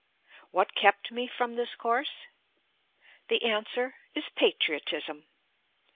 What kept me from this course? The answer is "Patriotism."